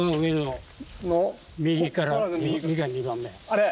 あれ。